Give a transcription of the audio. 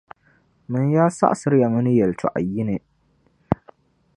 Mani yaa saɣisiri ya mi ni yεltɔɣa yini!